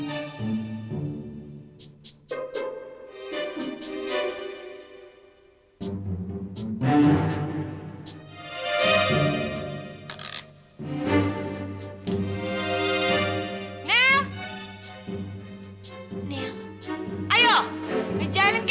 kita harus putus dulu mah